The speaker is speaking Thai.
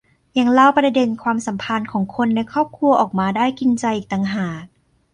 ยังเล่าประเด็นความสัมพันธ์ของคนในครอบครัวออกมาได้กินใจอีกต่างหาก